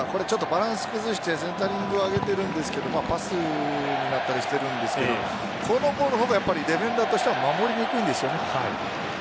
バランス崩してセンタリングを上げているんですがパスになったりしているんですがこのボールの方がディフェンダーとしては守りにくいんです。